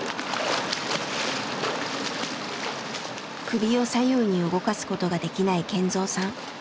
首を左右に動かすことができない健三さん。